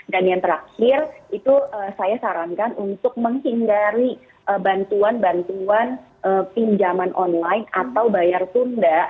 dan yang terakhir itu saya sarankan untuk menghindari bantuan bantuan pinjaman online atau bayar tunda